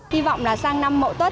hy vọng là sang năm mậu tuất